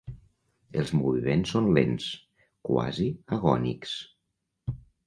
Els moviments són lents, quasi agònics.